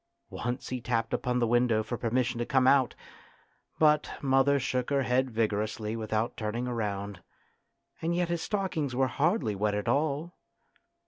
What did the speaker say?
Once he tapped upon the window for permission to come out, but mother shook her head vigorously without turning round ; and yet his stockings were hardly wet at all.